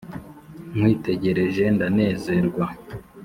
nkwitegereje ndanezerwa